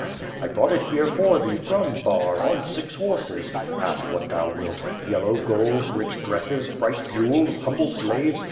I brought it h€re for thee from Bar, on six horses. Ask what thou wilt — yellow gold, rich dresses, bright jewels, humble slaves!